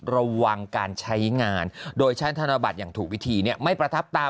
ระวังการใช้งานโดยใช้ธนบัตรอย่างถูกวิธีไม่ประทับตา